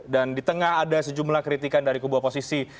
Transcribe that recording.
dan di tengah ada sejumlah kritikan dari kubu oposisi